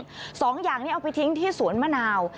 สองอย่างนี้เอาไปทิ้งที่สวนมะนาว